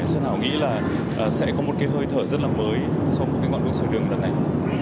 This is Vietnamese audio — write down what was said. xuân hảo nghĩ là sẽ có một cái hơi thở rất là mới trong một cái ngoạn đốt soi đường đất này